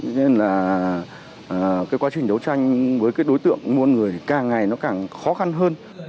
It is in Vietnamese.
nên là cái quá trình đấu tranh với cái đối tượng mua người càng ngày nó càng khó khăn hơn